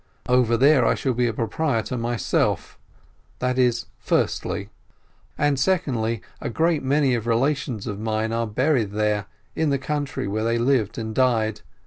Over there I shall be proprietor myself — that is firstly, and secondly, a great many relations of mine are buried there, in the country where they lived and died.